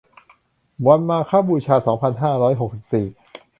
วันมาฆบูชา สองพันห้าร้อยหกสิบสี่